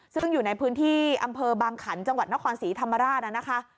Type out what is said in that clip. ซึ่งอยู่ในพื้นที่อำเภอบางขันจังหวัดนครศรีธรรมราชนะคะ